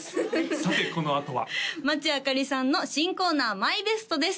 さてこのあとは町あかりさんの新コーナーＭＹＢＥＳＴです